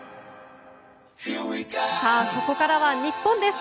ここからは日本です。